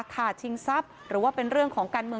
โชว์บ้านในพื้นที่เขารู้สึกยังไงกับเรื่องที่เกิดขึ้น